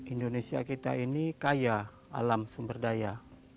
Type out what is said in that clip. indonesia kita ini kaya alam sumber daya